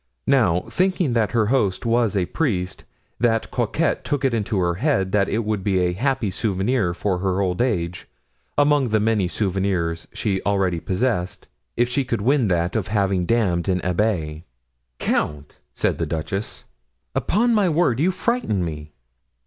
Now, thinking that her host was a priest, that coquette took it into her head that it would be a happy souvenir for her old age, among the many happy souvenirs she already possessed, if she could win that of having damned an abbé." "Count," said the duchess, "upon my word, you frighten me."